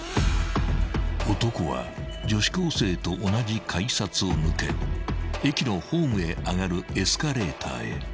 ［男は女子高生と同じ改札を抜け駅のホームへ上がるエスカレーターへ］